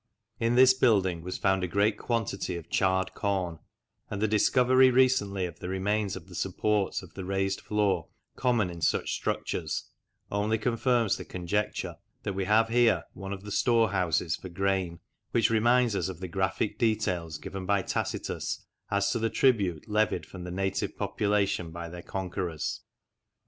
In this building was found a great quantity of charred corn, and the discovery recently of the remains of the supports of the raised floor common in such structures only confirms the conjecture that we have here one of the store houses for grain, which reminds us of the graphic details given by Tacitus as to the tribute levied from the native population by their conquerors.